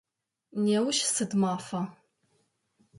Неущ сыд мафа?